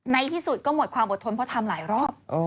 แล้วก็หมดความอดทนเพราะทำหลายรอบ